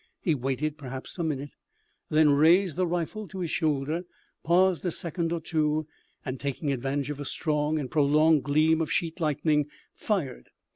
He waited perhaps a minute; then raised the rifle to his shoulder, paused a second or two, and, taking advantage of a strong and prolonged gleam of sheet lightning, fired.